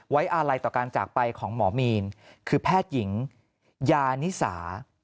อาลัยต่อการจากไปของหมอมีนคือแพทย์หญิงยานิสา